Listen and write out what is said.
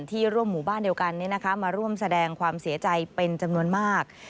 ร่วมหมู่บ้านเดียวกันมาร่วมแสดงความเสียใจเป็นจำนวนมาก